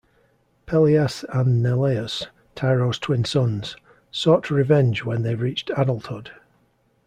Pelias and Neleus, Tyro's twin sons, sought revenge when they reached adulthood.